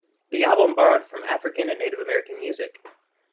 The album borrowed from African and Native American music.